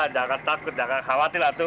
jangan takut jangan khawatir